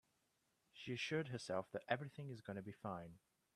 She assured herself that everything is gonna be fine.